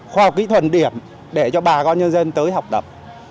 khoa học kỹ thuật điểm để cho bà con nhân dân tới học tập